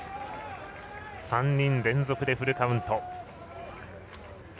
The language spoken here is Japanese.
３人連続でフルカウント。